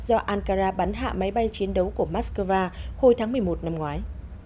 do ankara bắn hạ máy bay chiến đấu của moscow hồi tháng một mươi một năm ngoái